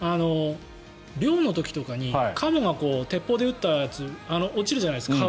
猟の時とかにカモが鉄砲で打ったやつ落ちるじゃないですか。